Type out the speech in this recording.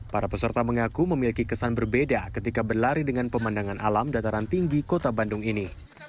para peserta mengaku memiliki kesan berbeda ketika berlari dengan pemandangan alam dataran tinggi kota bandung ini